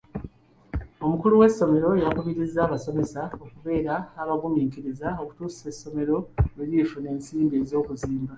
Omukulu w'essomero yakubirizza abasomesa okubeera abaguminkiriza okutuusa essomero lwe lifuna ensimbi z'okuzimba.